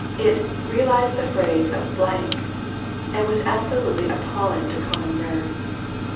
It "realized the phrase of ," and was absolutely appalling to common nerves.